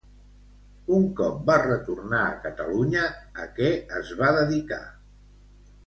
Un cop va retornar a Catalunya, a què es va dedicar?